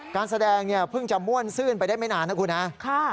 การแสดงเนี่ยเพิ่งจะม่วนซื่นไปได้ไม่นานนะคุณฮะ